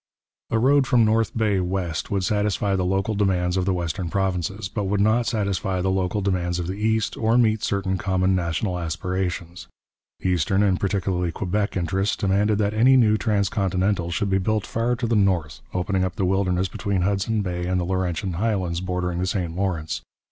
A road from North Bay west would satisfy the local demands of the western provinces, but would not satisfy the local demands of the East, or meet certain common national aspirations. Eastern, and particularly Quebec, interests, demanded that any new trans continental should be built far to the north, opening up the wilderness between Hudson Bay and the Laurentian highlands bordering the St Lawrence.